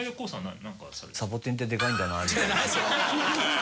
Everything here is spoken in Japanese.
サボテンってでかいんだなって。